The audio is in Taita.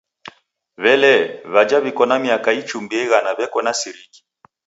W'elee, w'aja w'iko na miaka ichumbie ighana w'eko na siriki?